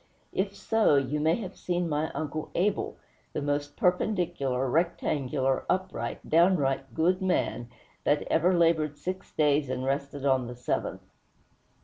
If so, you may have seen my Uncle Abel; the most perpendicular, rectangular, upright, downright good man that ever labored six days and rested on the seventh.